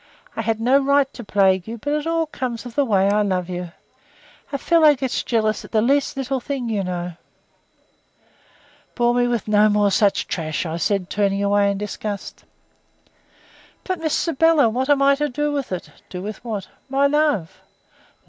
I had no right to plague you, but it all comes of the way I love you. A fellow gets jealous at the least little thing, you know." "Bore me with no more such trash," I said, turning away in disgust. "But, Miss Sybylla, what am I to do with it?" "Do with what?" "My love."